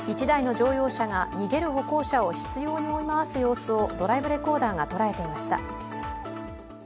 １台の乗用車が逃げる歩行者を執ように追い回す様子をドライブレコーダーがとらえていました。